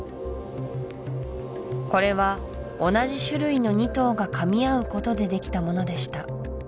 これは同じ種類の２頭が噛み合うことでできたものでした